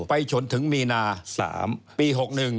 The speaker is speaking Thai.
ไปจนถึงมีนา๓ปี๖๑